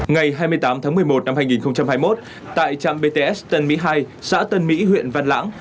ngày hai mươi tám tháng một mươi một năm hai nghìn hai mươi một tại trạm bts tân mỹ hai xã tân mỹ huyện văn lãng